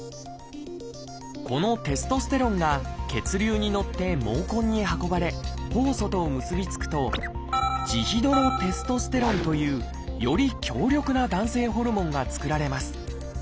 このテストステロンが血流に乗って毛根に運ばれ酵素と結び付くと「ジヒドロテストステロン」というより強力な男性ホルモンが作られます。